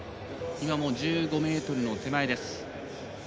今も１５ｍの手前です。